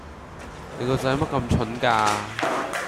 阿仔乜你咁笨架